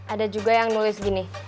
ada juga yang nulis gini